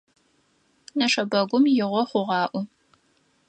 Нэшэбэгум игъо хъугъаӀо.